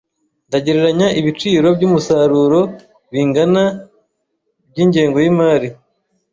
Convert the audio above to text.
Ndagereranya ibiciro byumusaruro bingana na % byingengo yimari.